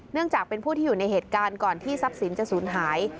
จากเป็นผู้ที่อยู่ในเหตุการณ์ก่อนที่ทรัพย์สินจะสูญหาย